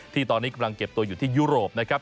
ที่ตอนนี้กำลังเก็บตัวอยู่ที่ยุโรปนะครับ